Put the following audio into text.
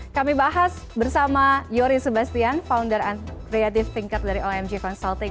kami bahas bersama yoris sebastian founder creative thinker dari omg consulting